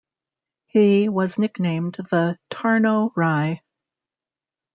He was nicknamed the "Tarno Rye".